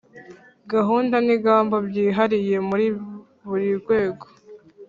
gahunda n'ingamba byihariye muri buri rwego